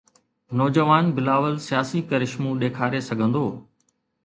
نوجوان بلاول سياسي ڪرشمو ڏيکاري سگهندو؟